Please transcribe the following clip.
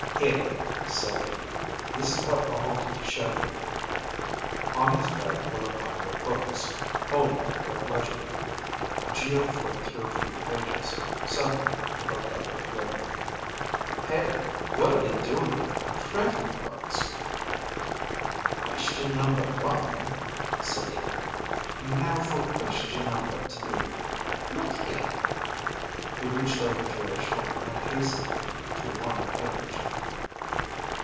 "Here," said Iimmi, "this is what I wanted to show you." On his bed were a pile of books, old, but legible. Geo flipped through a few pages. Suddenly he looked up at Iimmi. "Hey, what are they doing with printed books?" "Question number one," said Iimmi. "Now, for question number two. Look here." He reached over Geo's shoulder and hastened him to one page.